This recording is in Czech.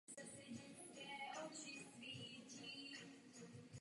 To by způsobilo rozdělení.